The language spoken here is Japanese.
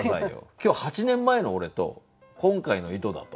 今日８年前の俺と今回の井戸田と。